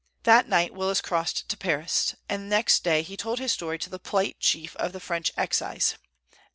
That night Willis crossed to Paris, and next day he told his story to the polite chief of the French Excise.